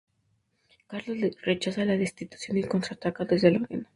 Carlos rechaza la destitución y contraataca desde Lorena.